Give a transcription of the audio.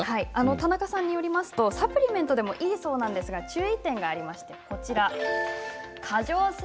田中さんによりますとサプリメントでもよいそうですが注意点があります。